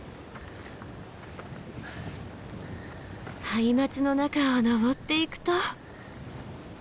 ハイマツの中を登っていくと。